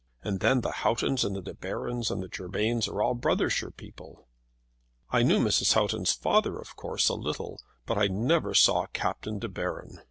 And then the Houghtons and the De Barons and the Germains are all Brothershire people." "I knew Mrs. Houghton's father, of course, a little; but I never saw Captain De Baron."